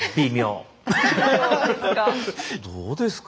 どうですか？